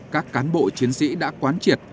các cán bộ chiến sĩ đã quán triệt